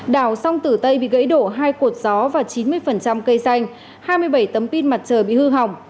đảo song tử tây bị gãy đổ hai cột gió và chín mươi cây xanh hai mươi bảy tấm pin mặt trời bị hư hỏng